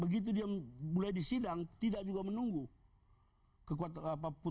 begitu dia menjadi tersangkut begitu dia mulai disidang tidak juga menunggu keputusan yang lainnya